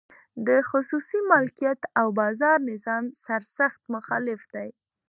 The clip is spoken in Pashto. د خصوصي مالکیت او بازار نظام سرسخت مخالف دی.